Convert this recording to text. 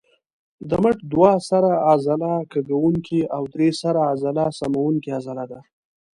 د مټ دوه سره عضله کږوونکې او درې سره عضله سموونکې عضله ده.